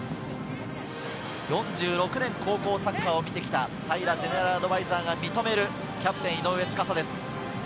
４６年、高校サッカーを見てきた平ゼネラルアドバイザーが認めるキャプテン・井上斗嵩です。